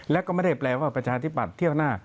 และก็ไม่ได้แปลว่าประชาธิบัติเที่ยวหน้า